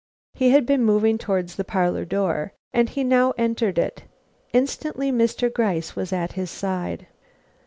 He had been moving towards the parlor door, and he now entered it. Instantly Mr. Gryce was by his side.